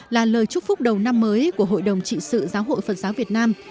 là lời chúc phúc đầu năm mới của hội đồng trị sự giáo hội phật giáo việt nam